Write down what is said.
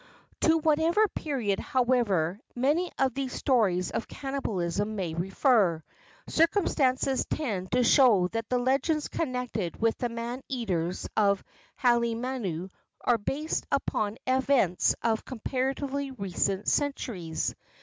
To whatever period, however, many of these stories of cannibalism may refer, circumstances tend to show that the legends connected with the man eaters of Halemanu are based upon events of comparatively recent centuries.